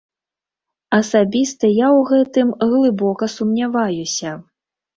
Асабіста я ў гэтым глыбока сумняваюся.